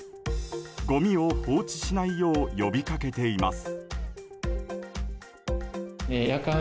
ごみを放置しないよう呼びかけています。